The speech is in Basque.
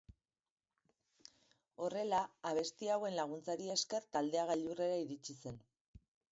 Horrela, abesti hauen laguntzari esker taldea gailurrera iritsi zen.